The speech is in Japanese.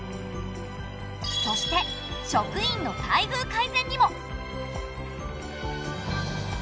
そして職員の待遇改善にも。